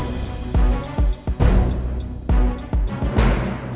sampai jumpa lagi